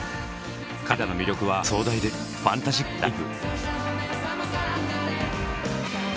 彼らの魅力は壮大でファンタジックなライブ。